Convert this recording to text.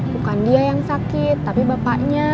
bukan dia yang sakit tapi bapaknya